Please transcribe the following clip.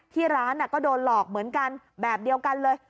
ที่ร้านก็โดนหลอกเหมือนกันแบบเดียวกันเลย